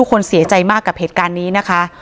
คนเสียใจมากกับเหตุการณ์นี้นะคะ